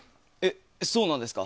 そうなんですか？